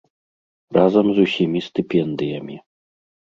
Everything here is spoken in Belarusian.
Разам з усімі стыпендыямі.